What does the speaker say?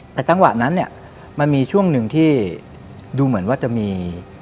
แต่จังหวะนั้นเนี่ยมันมีช่วงหนึ่งที่ดูเหมือนว่าจะมี